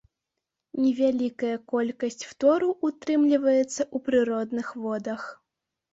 Невялікая колькасць фтору ўтрымліваецца ў прыродных водах.